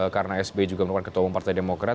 karena sbi juga merupakan ketua rombong partai demokrat